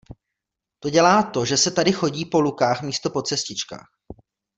To dělá to, že se tady chodí po lukách místo po cestičkách.